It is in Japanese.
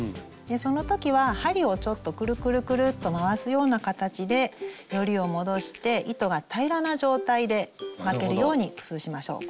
その時は針をちょっとくるくるくると回すような形でヨリを戻して糸が平らな状態で巻けるように工夫しましょう。